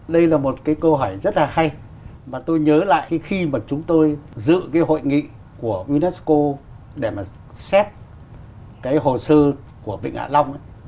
đây là một cái câu hỏi rất là hay mà tôi nhớ lại khi mà chúng tôi dự cái hội nghị của unesco để mà xét cái hồ sơ của vịnh hạ long ấy